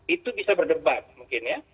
itu bisa berdebat mungkin ya